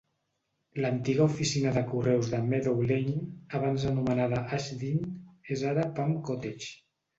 L'antiga oficina de correus de Meadow Lane, abans anomenada Ashdene, és ara Pump Cottage.